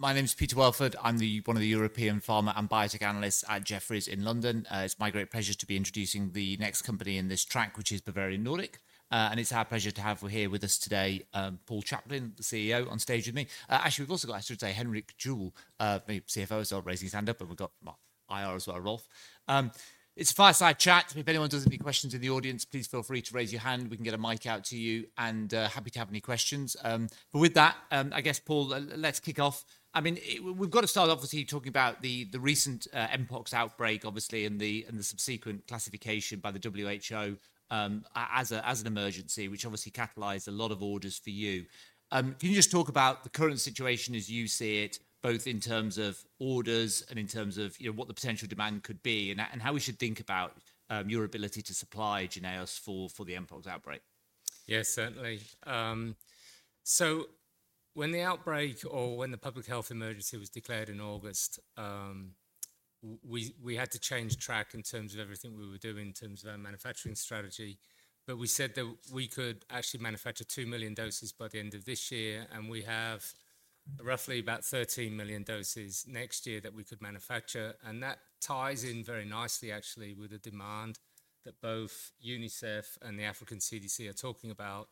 My name is Peter Welford. I'm one of the European Pharma and Biotech Analysts at Jefferies in London. It's my great pleasure to be introducing the next company in this track, which is Bavarian Nordic. And it's our pleasure to have here with us today, Paul Chaplin, the CEO, on stage with me. Actually, we've also got a Henrik Juuel, CFO, raising his hand up, but we've got IR as well, Rolf. It's a fireside chat. If anyone does have any questions in the audience, please feel free to raise your hand. We can get a mic out to you, and happy to have any questions. But with that, I guess, Paul, let's kick off. I mean, we've got to start, obviously, talking about the recent Mpox outbreak, obviously, and the subsequent classification by the WHO as an emergency, which obviously catalyzed a lot of orders for you. Can you just talk about the current situation as you see it, both in terms of orders and in terms of what the potential demand could be, and how we should think about your ability to supply JYNNEOS for the Mpox outbreak? Yes, certainly. So when the outbreak or when the public health emergency was declared in August, we had to change track in terms of everything we were doing in terms of our manufacturing strategy. But we said that we could actually manufacture 2 million doses by the end of this year, and we have roughly about 13 million doses next year that we could manufacture. And that ties in very nicely, actually, with the demand that both UNICEF and the Africa CDC are talking about.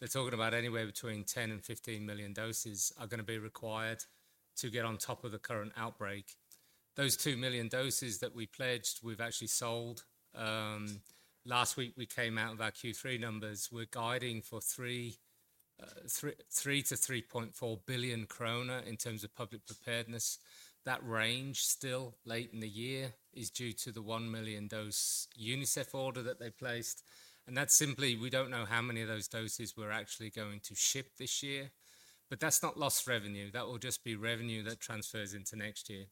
They're talking about anywhere between 10 and 15 million doses are going to be required to get on top of the current outbreak. Those 2 million doses that we pledged, we've actually sold. Last week, we came out of our Q3 numbers. We're guiding for 3 billion-3.4 billion kroner in terms of public preparedness. That range, still late in the year, is due to the one million dose UNICEF order that they placed. And that's simply, we don't know how many of those doses we're actually going to ship this year. But that's not lost revenue. That will just be revenue that transfers into next year.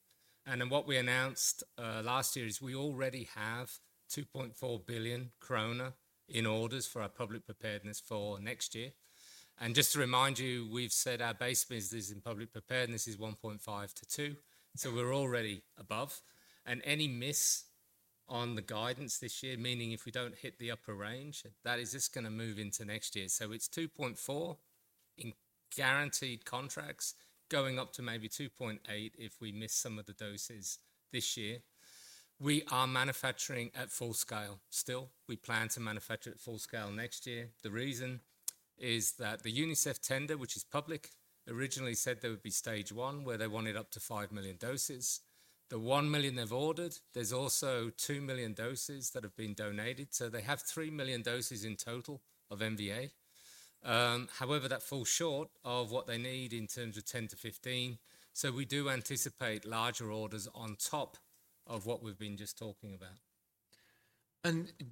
And what we announced last year is we already have 2.4 billion kroner in orders for our public preparedness for next year. And just to remind you, we've said our base business in public preparedness is 1.5-2. So we're already above. And any miss on the guidance this year, meaning if we don't hit the upper range, that is just going to move into next year. So it's 2.4 in guaranteed contracts, going up to maybe 2.8 if we miss some of the doses this year. We are manufacturing at full scale still. We plan to manufacture at full scale next year. The reason is that the UNICEF tender, which is public, originally said there would be stage one where they wanted up to five million doses. The one million they've ordered, there's also two million doses that have been donated. So they have three million doses in total of MVA. However, that falls short of what they need in terms of 10-15. So we do anticipate larger orders on top of what we've been just talking about.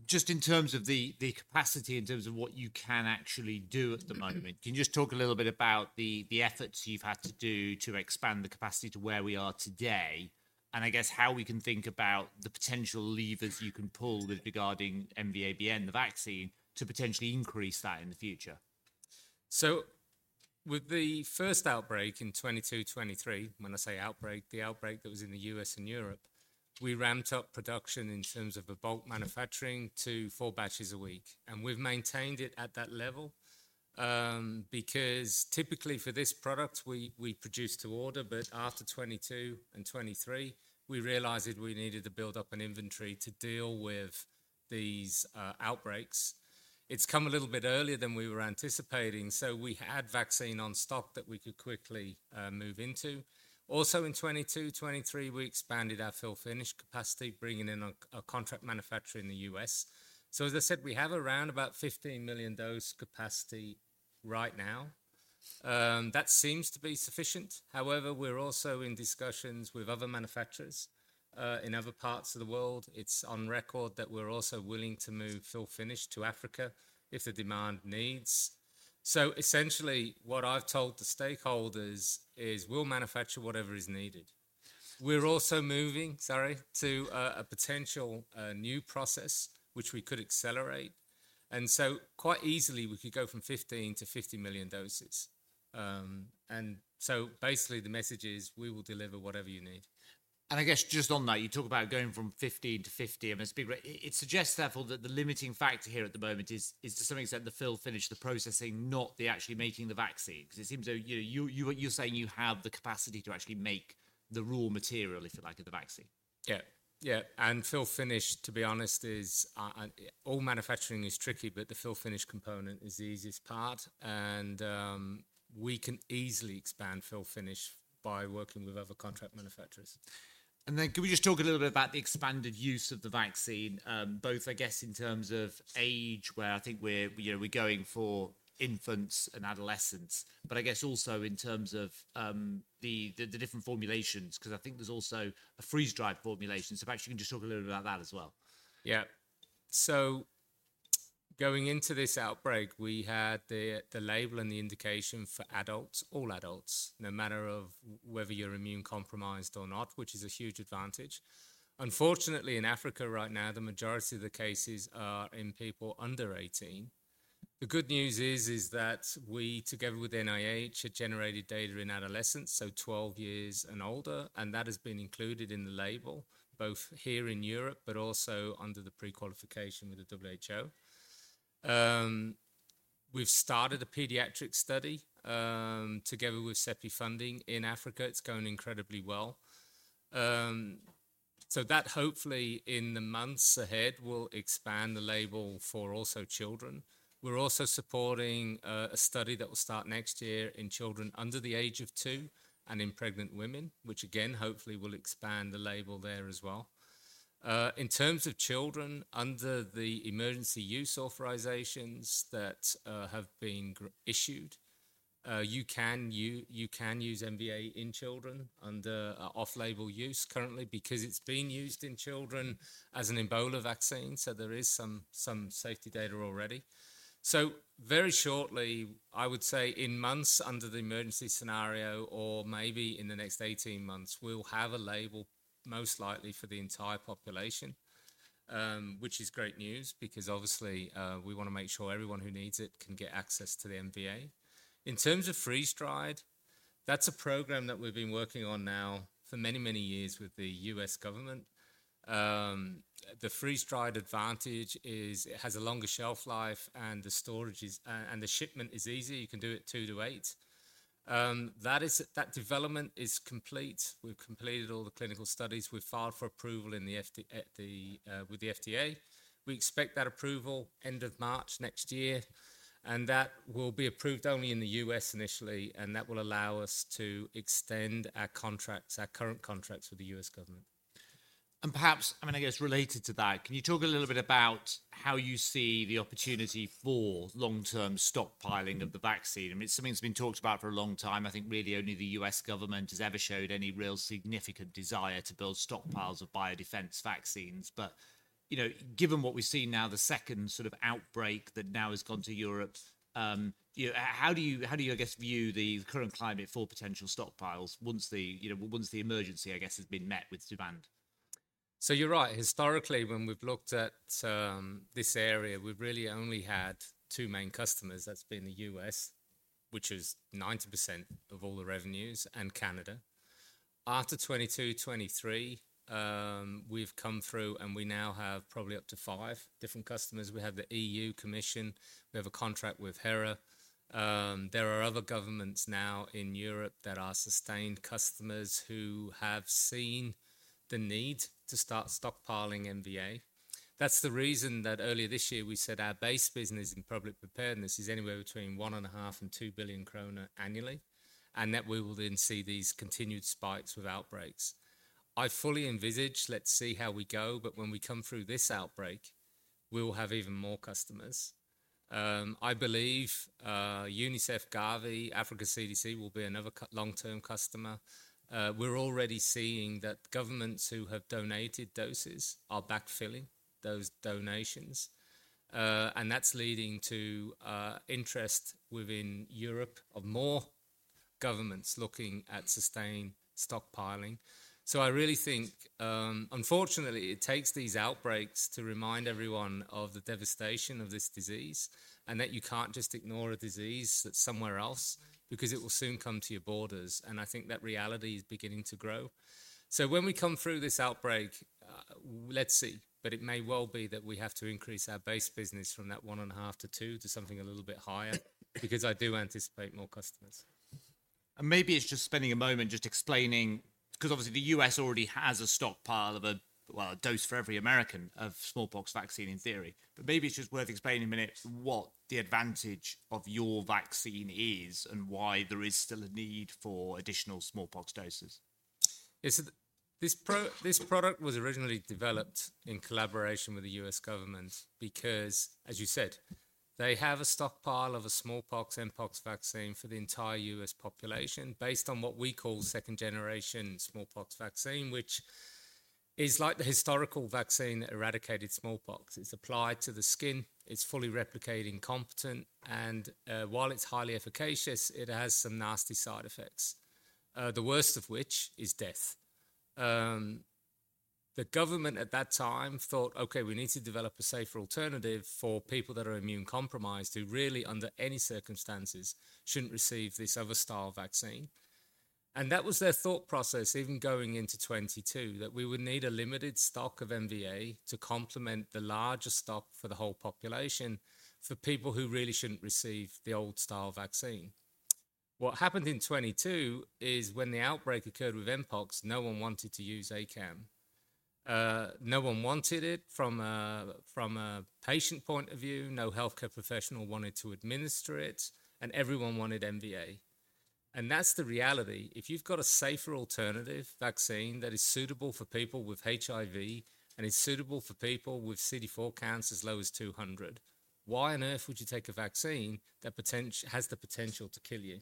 Just in terms of the capacity, in terms of what you can actually do at the moment, can you just talk a little bit about the efforts you've had to do to expand the capacity to where we are today, and I guess how we can think about the potential levers you can pull with regarding MVA-BN, the vaccine, to potentially increase that in the future? So with the first outbreak in 2022-2023, when I say outbreak, the outbreak that was in the U.S. and Europe, we ramped up production in terms of the bulk manufacturing to four batches a week. And we've maintained it at that level because typically for this product, we produce to order. But after 2022 and 2023, we realized we needed to build up an inventory to deal with these outbreaks. It's come a little bit earlier than we were anticipating. So we had vaccine on stock that we could quickly move into. Also, in 2022-2023, we expanded our fill/finish capacity, bringing in a contract manufacturer in the U.S. So as I said, we have around about 15 million dose capacity right now. That seems to be sufficient. However, we're also in discussions with other manufacturers in other parts of the world. It's on record that we're also willing to move fill/finish to Africa if the demand needs. So essentially, what I've told the stakeholders is we'll manufacture whatever is needed. We're also moving to a potential new process, which we could accelerate. And so quite easily, we could go from 15-50 million doses. And so basically, the message is we will deliver whatever you need. I guess just on that, you talk about going from 15-50. I mean, it suggests, therefore, that the limiting factor here at the moment is, to some extent, the fill/finish, the processing, not the actual making the vaccine. Because it seems like you're saying you have the capacity to actually make the raw material, if you like, of the vaccine. Yeah, yeah. And fill/finish, to be honest, all manufacturing is tricky, but the fill/finish component is the easiest part. And we can easily expand fill/finish by working with other contract manufacturers. Can we just talk a little bit about the expanded use of the vaccine, both, I guess, in terms of age, where I think we're going for infants and adolescents, but I guess also in terms of the different formulations, because I think there's also a freeze-dried formulation. Perhaps you can just talk a little bit about that as well. Yeah. So going into this outbreak, we had the label and the indication for adults, all adults, no matter whether you're immunecompromised or not, which is a huge advantage. Unfortunately, in Africa right now, the majority of the cases are in people under 18. The good news is that we, together with NIH, have generated data in adolescents, so 12 years and older. And that has been included in the label, both here in Europe, but also under the pre-qualification with the WHO. We've started a pediatric study together with CEPI funding in Africa. It's going incredibly well. So that, hopefully, in the months ahead, will expand the label for also children. We're also supporting a study that will start next year in children under the age of two and in pregnant women, which, again, hopefully, will expand the label there as well. In terms of children under the emergency use authorizations that have been issued, you can use MVA in children under off-label use currently because it's being used in children as an Ebola vaccine, so there is some safety data already, so very shortly, I would say in months under the emergency scenario, or maybe in the next 18 months, we'll have a label most likely for the entire population, which is great news because, obviously, we want to make sure everyone who needs it can get access to the MVA. In terms of freeze-dried, that's a program that we've been working on now for many, many years with the U.S. government. The freeze-dried advantage is it has a longer shelf life and the shipment is easy. You can do it two to eight. That development is complete. We've completed all the clinical studies. We've filed for approval with the FDA. We expect that approval end of March next year. And that will be approved only in the U.S. initially. And that will allow us to extend our current contracts with the U.S. government. Perhaps, I mean, I guess related to that, can you talk a little bit about how you see the opportunity for long-term stockpiling of the vaccine? I mean, it's something that's been talked about for a long time. I think really only the U.S. government has ever showed any real significant desire to build stockpiles of biodefense vaccines, but given what we've seen now, the second sort of outbreak that now has gone to Europe, how do you, I guess, view the current climate for potential stockpiles once the emergency, I guess, has been met with demand? You're right. Historically, when we've looked at this area, we've really only had two main customers. That's been the U.S., which is 90% of all the revenues, and Canada. After 2022-2023, we've come through, and we now have probably up to five different customers. We have the European Commission. We have a contract with HERA. There are other governments now in Europe that are sustained customers who have seen the need to start stockpiling MVA. That's the reason that earlier this year we said our base business in public preparedness is anywhere between 1.5 billion and 2 billion kroner annually, and that we will then see these continued spikes with outbreaks. I fully envisage, let's see how we go, but when we come through this outbreak, we will have even more customers. I believe UNICEF, Gavi, Africa CDC will be another long-term customer. We're already seeing that governments who have donated doses are backfilling those donations, and that's leading to interest within Europe of more governments looking at sustained stockpiling. So I really think, unfortunately, it takes these outbreaks to remind everyone of the devastation of this disease and that you can't just ignore a disease that's somewhere else because it will soon come to your borders, and I think that reality is beginning to grow. So when we come through this outbreak, let's see, but it may well be that we have to increase our base business from that 1.5-2 to something a little bit higher because I do anticipate more customers. Maybe it's just spending a moment just explaining because, obviously, the U.S. already has a stockpile of a dose for every American of smallpox vaccine in theory. Maybe it's just worth explaining a minute what the advantage of your vaccine is and why there is still a need for additional smallpox doses. This product was originally developed in collaboration with the U.S. government because, as you said, they have a stockpile of a smallpox, Mpox vaccine for the entire U.S. population based on what we call second-generation smallpox vaccine, which is like the historical vaccine that eradicated smallpox. It's applied to the skin. It's fully replication-competent. And while it's highly efficacious, it has some nasty side effects, the worst of which is death. The government at that time thought, "Okay, we need to develop a safer alternative for people that are immunocompromised who really, under any circumstances, shouldn't receive this other style of vaccine." That was their thought process even going into 2022, that we would need a limited stock of MVA to complement the larger stock for the whole population for people who really shouldn't receive the old style vaccine. What happened in 2022 is when the outbreak occurred with Mpox, no one wanted to use ACAM. No one wanted it from a patient point of view. No healthcare professional wanted to administer it. And everyone wanted MVA. And that's the reality. If you've got a safer alternative vaccine that is suitable for people with HIV and is suitable for people with CD4 counts as low as 200, why on earth would you take a vaccine that has the potential to kill you?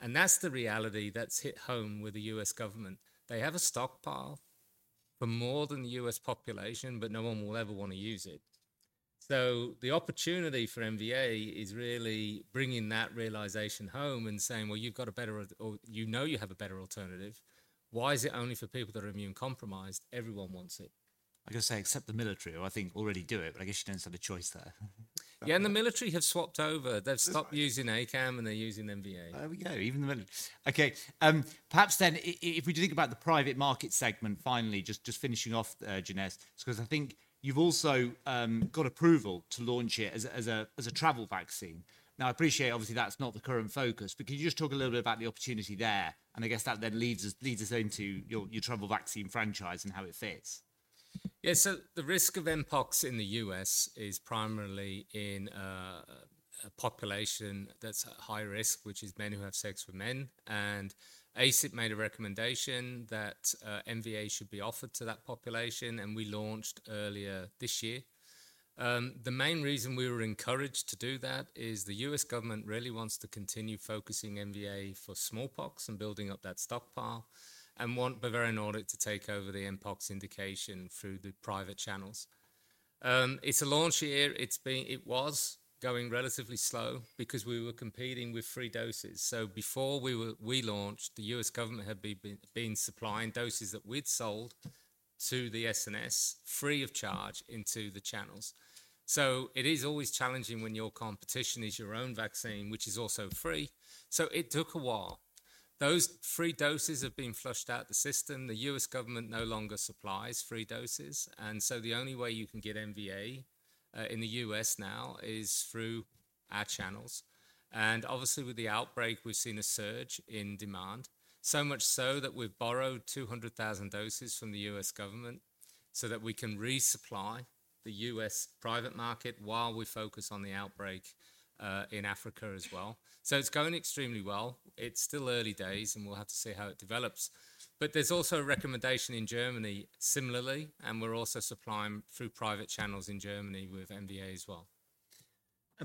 And that's the reality that's hit home with the U.S. government. They have a stockpile for more than the U.S. population, but no one will ever want to use it. So the opportunity for MVA is really bringing that realization home and saying, "Well, you've got a better alternative. You know you have a better alternative. Why is it only for people that are immune compromised? Everyone wants it. I was going to say, except the military, who I think already do it. But I guess you don't have a choice there. Yeah, and the military have swapped over. They've stopped using ACAM2000, and they're using MVA-BN. There we go. Even the military. Okay. Perhaps then, if we do think about the private market segment, finally, just finishing off, Jynneos, because I think you've also got approval to launch it as a travel vaccine. Now, I appreciate, obviously, that's not the current focus. But can you just talk a little bit about the opportunity there? And I guess that then leads us into your travel vaccine franchise and how it fits. Yeah, so the risk of Mpox in the U.S. is primarily in a population that's at high risk, which is men who have sex with men. And ACIP made a recommendation that MVA should be offered to that population, and we launched earlier this year. The main reason we were encouraged to do that is the U.S. government really wants to continue focusing MVA for smallpox and building up that stockpile and want Bavarian Nordic to take over the Mpox indication through the private channels. It's a launch year. It was going relatively slow because we were competing with free doses. So before we launched, the U.S. government had been supplying doses that we'd sold to the SNS free of charge into the channels. So it is always challenging when your competition is your own vaccine, which is also free. So it took a while. Those free doses have been flushed out of the system. The U.S. government no longer supplies free doses, and so the only way you can get MVA in the U.S. now is through our channels. And obviously, with the outbreak, we've seen a surge in demand, so much so that we've borrowed 200,000 doses from the U.S. government so that we can resupply the U.S. private market while we focus on the outbreak in Africa as well. So it's going extremely well. It's still early days, and we'll have to see how it develops. But there's also a recommendation in Germany similarly. And we're also supplying through private channels in Germany with MVA as well.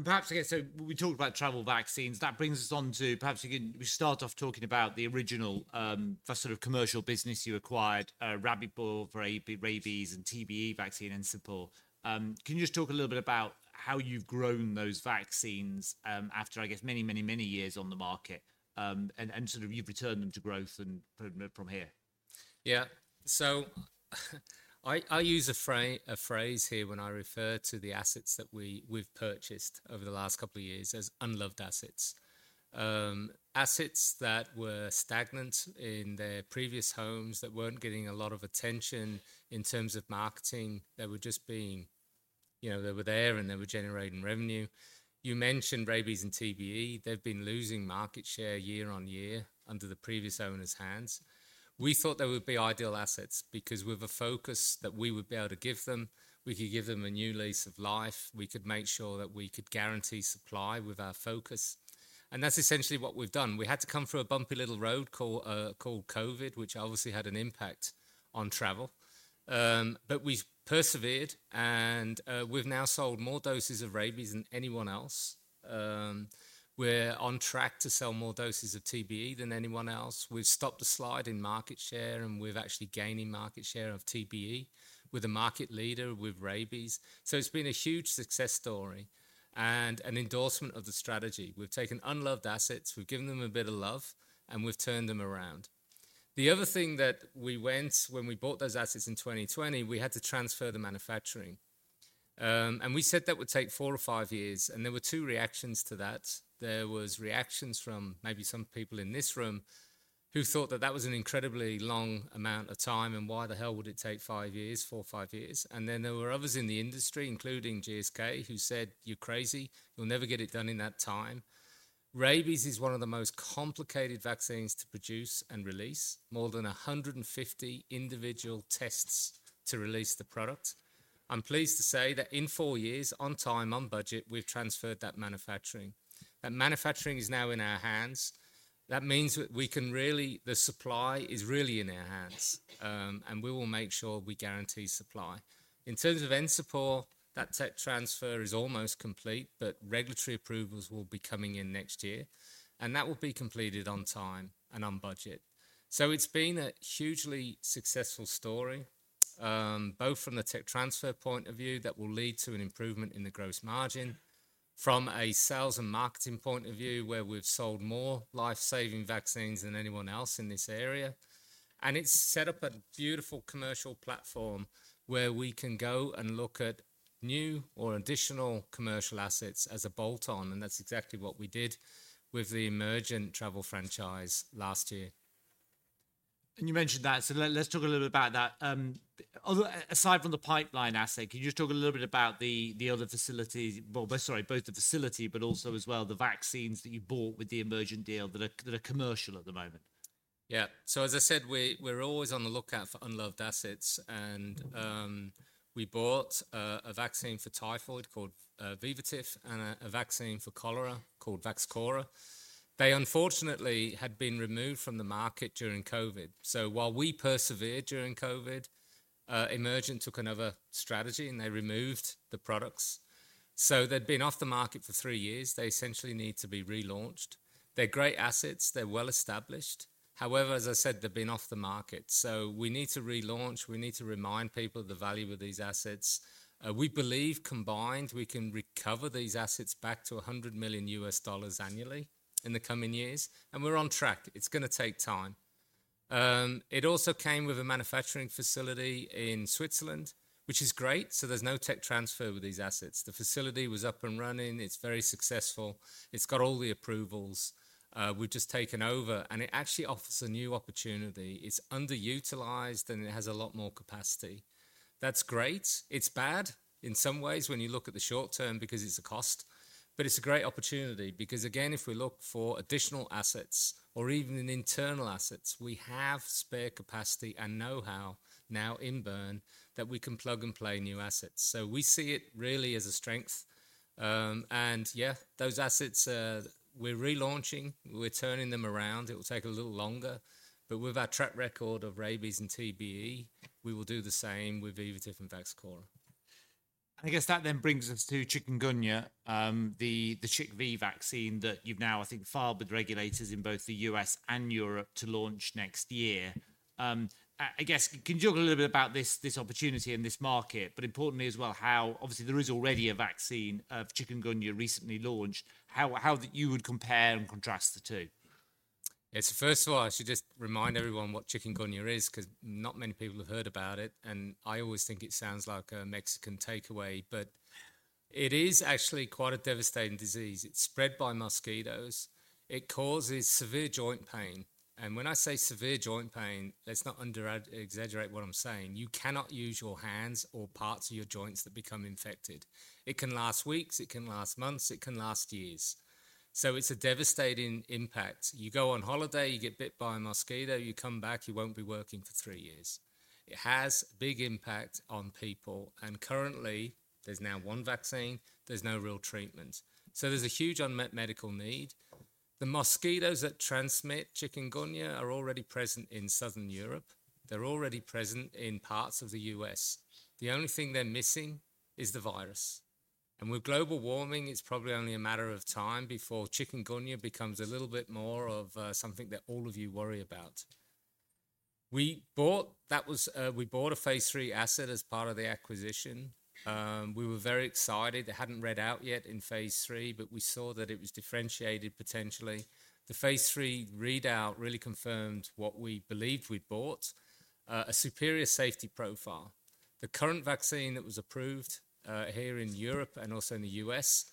Perhaps, I guess, so we talked about travel vaccines. That brings us on to perhaps we can start off talking about the original sort of commercial business you acquired, Rabipur for rabies and TBE vaccine and Encepur. Can you just talk a little bit about how you've grown those vaccines after, I guess, many, many, many years on the market and sort of you've returned them to growth from here? Yeah, so I'll use a phrase here when I refer to the assets that we've purchased over the last couple of years as unloved assets, assets that were stagnant in their previous homes, that weren't getting a lot of attention in terms of marketing. They were just there, and they were generating revenue. You mentioned rabies and TBE. They've been losing market share year on year under the previous owner's hands. We thought they would be ideal assets because with the focus that we would be able to give them, we could give them a new lease of life. We could make sure that we could guarantee supply with our focus. And that's essentially what we've done. We had to come through a bumpy little road called COVID, which obviously had an impact on travel, but we've persevered. We've now sold more doses of rabies than anyone else. We're on track to sell more doses of TBE than anyone else. We've stopped a slide in market share, and we've actually gained market share of TBE with a market leader with rabies. It's been a huge success story and an endorsement of the strategy. We've taken unloved assets. We've given them a bit of love, and we've turned them around. The other thing that we went when we bought those assets in 2020, we had to transfer the manufacturing. We said that would take four or five years. There were two reactions to that. There were reactions from maybe some people in this room who thought that that was an incredibly long amount of time and why the hell would it take five years, four or five years. And then there were others in the industry, including GSK, who said, "You're crazy. You'll never get it done in that time." Rabies is one of the most complicated vaccines to produce and release, more than 150 individual tests to release the product. I'm pleased to say that in four years, on time, on budget, we've transferred that manufacturing. That manufacturing is now in our hands. That means that the supply is really in our hands. And we will make sure we guarantee supply. In terms of Encepur, that tech transfer is almost complete, but regulatory approvals will be coming in next year. And that will be completed on time and on budget. It's been a hugely successful story, both from the tech transfer point of view that will lead to an improvement in the gross margin, from a sales and marketing point of view where we've sold more life-saving vaccines than anyone else in this area. It's set up a beautiful commercial platform where we can go and look at new or additional commercial assets as a bolt-on. That's exactly what we did with the Emergent travel franchise last year. You mentioned that. Let's talk a little bit about that. Aside from the pipeline asset, can you just talk a little bit about the other facility? Sorry, both the facility, but also as well the vaccines that you bought with the Emergent deal that are commercial at the moment? Yeah. So as I said, we're always on the lookout for unloved assets. And we bought a vaccine for typhoid called Vivotif and a vaccine for cholera called Vaxchora. They, unfortunately, had been removed from the market during COVID. So while we persevered during COVID, Emergent took another strategy, and they removed the products. So they've been off the market for three years. They essentially need to be relaunched. They're great assets. They're well established. However, as I said, they've been off the market. So we need to relaunch. We need to remind people of the value of these assets. We believe combined, we can recover these assets back to $100 million annually in the coming years. And we're on track. It's going to take time. It also came with a manufacturing facility in Switzerland, which is great. So there's no tech transfer with these assets. The facility was up and running. It's very successful. It's got all the approvals. We've just taken over, and it actually offers a new opportunity. It's underutilized, and it has a lot more capacity. That's great. It's bad in some ways when you look at the short term because it's a cost, but it's a great opportunity because, again, if we look for additional assets or even internal assets, we have spare capacity and know-how now in Bern that we can plug and play new assets, so we see it really as a strength. And yeah, those assets, we're relaunching. We're turning them around. It will take a little longer, but with our track record of rabies and TBE, we will do the same with Vivotif and Vaxchora. I guess that then brings us to Chikungunya, the ChikV vaccine that you've now, I think, filed with regulators in both the U.S. and Europe to launch next year. I guess, can you talk a little bit about this opportunity and this market? But importantly as well, how obviously there is already a vaccine of Chikungunya recently launched. How would you compare and contrast the two? Yeah. So first of all, I should just remind everyone what Chikungunya is because not many people have heard about it. And I always think it sounds like a Mexican takeaway. But it is actually quite a devastating disease. It's spread by mosquitoes. It causes severe joint pain. And when I say severe joint pain, let's not exaggerate what I'm saying. You cannot use your hands or parts of your joints that become infected. It can last weeks. It can last months. It can last years. So it's a devastating impact. You go on holiday. You get bit by a mosquito. You come back. You won't be working for three years. It has a big impact on people. And currently, there's now one vaccine. There's no real treatment. So there's a huge unmet medical need. The mosquitoes that transmit Chikungunya are already present in southern Europe. They're already present in parts of the U.S. The only thing they're missing is the virus. And with global warming, it's probably only a matter of time before Chikungunya becomes a little bit more of something that all of you worry about. We bought a phase III asset as part of the acquisition. We were very excited. It hadn't read out yet in phase III, but we saw that it was differentiated potentially. The phase III readout really confirmed what we believed we'd bought: a superior safety profile. The current vaccine that was approved here in Europe and also in the U.S.,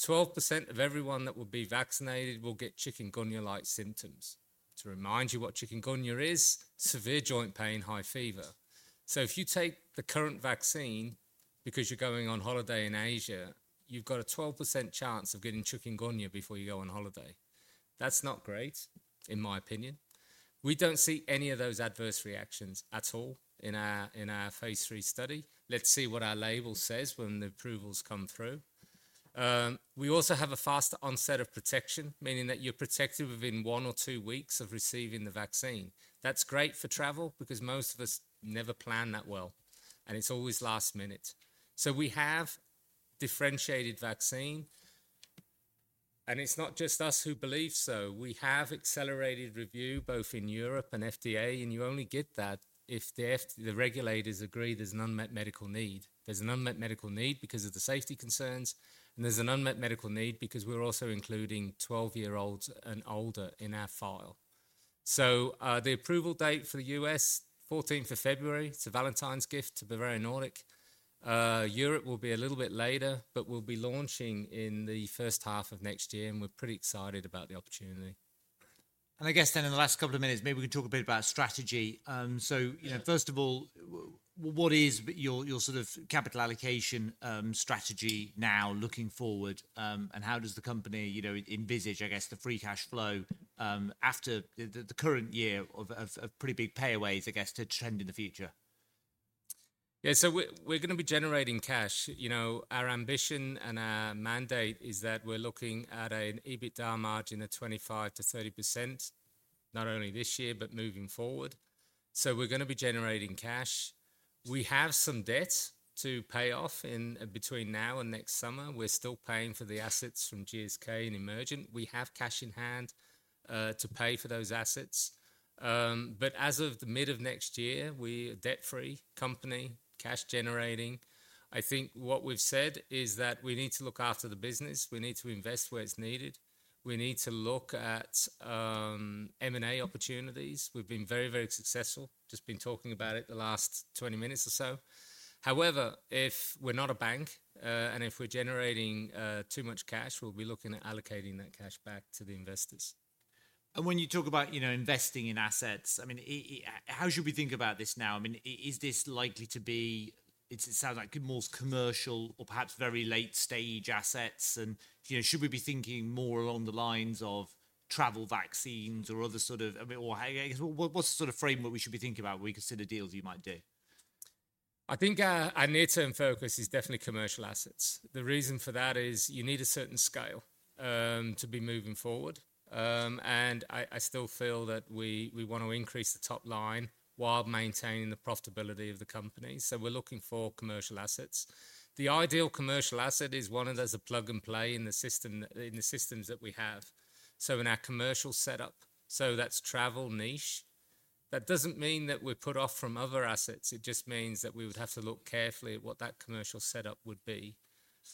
12% of everyone that will be vaccinated will get Chikungunya-like symptoms. To remind you what Chikungunya is: severe joint pain, high fever. If you take the current vaccine because you're going on holiday in Asia, you've got a 12% chance of getting Chikungunya before you go on holiday. That's not great, in my opinion. We don't see any of those adverse reactions at all in our phase III study. Let's see what our label says when the approvals come through. We also have a faster onset of protection, meaning that you're protected within one or two weeks of receiving the vaccine. That's great for travel because most of us never plan that well. And it's always last minute. We have differentiated vaccine. And it's not just us who believe so. We have accelerated review both in Europe and FDA. And you only get that if the regulators agree there's an unmet medical need. There's an unmet medical need because of the safety concerns. There's an unmet medical need because we're also including 12-year-olds and older in our file. So the approval date for the US: 14th of February. It's a Valentine's gift to Bavarian Nordic. Europe will be a little bit later, but we'll be launching in the first half of next year, and we're pretty excited about the opportunity. And I guess then in the last couple of minutes, maybe we can talk a bit about strategy. So first of all, what is your sort of capital allocation strategy now looking forward? And how does the company envisage, I guess, the free cash flow after the current year of pretty big payouts, I guess, to trend in the future? Yeah. So we're going to be generating cash. Our ambition and our mandate is that we're looking at an EBITDA margin of 25%-30%, not only this year, but moving forward. So we're going to be generating cash. We have some debt to pay off between now and next summer. We're still paying for the assets from GSK and Emergent. We have cash in hand to pay for those assets. But as of the mid of next year, we are a debt-free company, cash-generating. I think what we've said is that we need to look after the business. We need to invest where it's needed. We need to look at M&A opportunities. We've been very, very successful. Just been talking about it the last 20 minutes or so. However, if we're not a bank and if we're generating too much cash, we'll be looking at allocating that cash back to the investors. When you talk about investing in assets, I mean, how should we think about this now? I mean, is this likely to be? It sounds like more commercial or perhaps very late-stage assets. Should we be thinking more along the lines of travel vaccines or other sort of? I guess, what's the sort of framework we should be thinking about when we consider deals you might do? I think our near-term focus is definitely commercial assets. The reason for that is you need a certain scale to be moving forward, and I still feel that we want to increase the top line while maintaining the profitability of the company, so we're looking for commercial assets. The ideal commercial asset is one that has a plug-and-play in the systems that we have, so in our commercial setup, so that's travel niche. That doesn't mean that we're put off from other assets. It just means that we would have to look carefully at what that commercial setup would be,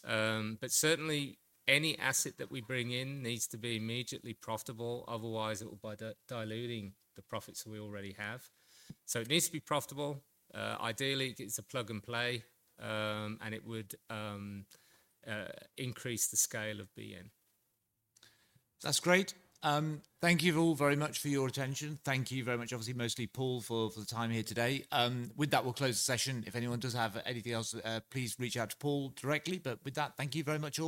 but certainly, any asset that we bring in needs to be immediately profitable. Otherwise, it will be diluting the profits we already have, so it needs to be profitable. Ideally, it's a plug-and-play, and it would increase the scale of BN. That's great. Thank you all very much for your attention. Thank you very much, obviously, mostly Paul, for the time here today. With that, we'll close the session. If anyone does have anything else, please reach out to Paul directly. But with that, thank you very much.